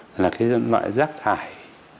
là cái dân loại